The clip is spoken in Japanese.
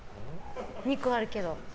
２個あるけど。